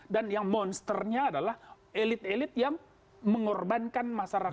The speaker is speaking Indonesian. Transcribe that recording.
dan yang monsternya adalah elit elit yang mengorbankan masyarakat